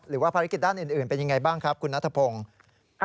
หรือว่าภารกิจด้านอื่นเป็นยังไงบ้างครับคุณนัทพงศ์